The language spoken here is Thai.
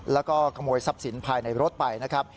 แล้วก็ขโมยทรัพย์สินภายในรถไปนะครับ